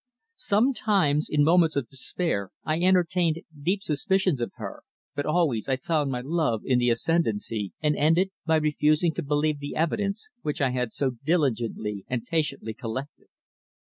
Sometimes, in moments of despair, I entertained deep suspicions of her, but always I found my love in the ascendancy, and ended by refusing to believe the evidence which I had so diligently and patiently collected.